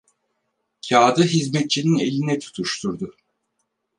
Kağıdı hizmetçinin eline tutuşturdu.